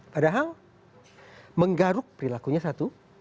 padahal menggaruk perilakunya satu